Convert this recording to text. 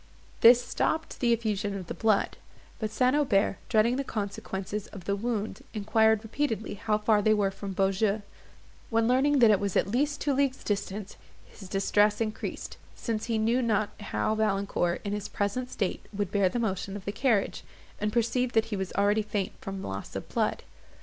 This stopped the effusion of the blood; but St. Aubert, dreading the consequence of the wound, enquired repeatedly how far they were from Beaujeu; when, learning that it was at two leagues' distance, his distress increased, since he knew not how Valancourt, in his present state, would bear the motion of the carriage, and perceived that he was already faint from loss of blood.